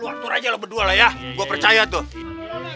lu atur aja lu berdua lah ya gua percaya tuh